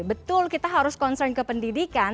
betul kita harus concern ke pendidikan